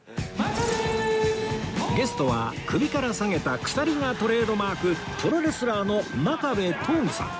ゲストは首から提げた鎖がトレードマークプロレスラーの真壁刀義さん